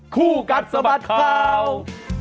คู่กัดสะบัดข่าว